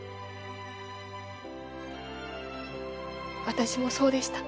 私もそうでした。